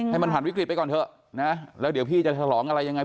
ให้มันผ่านวิกฤตไปก่อนเถอะแล้วเดี๋ยวพี่จะขอร้องไง